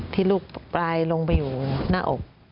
ที่ลูกปลายลงไปอยู่หน้าอก